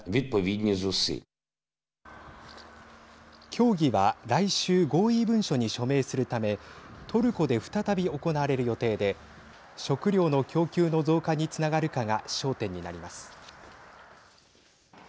協議は来週、合意文書に署名するためトルコで再び行われる予定で食料の供給の増加につながるかが焦点になります。